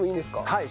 はい。